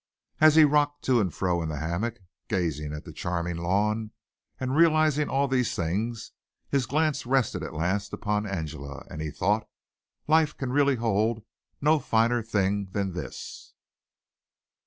As he rocked to and fro in the hammock gazing at the charming lawn and realizing all these things, his glance rested at last upon Angela, and he thought, "Life can really hold no finer thing than this."